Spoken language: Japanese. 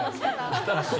新しい。